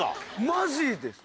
マジです。